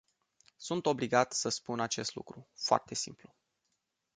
Sunt obligat să spun acest lucru, foarte simplu.